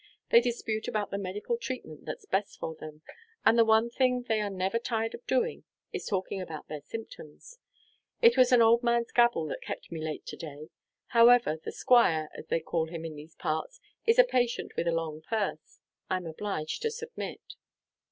They dispute about the medical treatment that's best for them, and the one thing they are never tired of doing is talking about their symptoms. It was an old man's gabble that kept me late to day. However, the Squire, as they call him in these parts, is a patient with a long purse; I am obliged to submit."